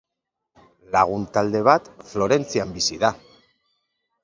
Lagun talde bat Florentzian bizi da.